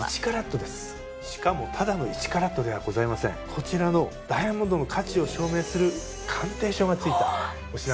こちらのダイヤモンドの価値を証明する鑑定書が付いたお品物になります。